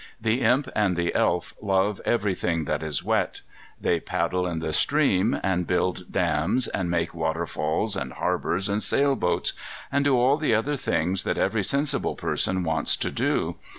The Imp and the Elf love everything that is wet. They paddle in the streams, and build dams, and make waterfalls, and harbours, and sail boats, and do all the other things that every sensible person wants to do.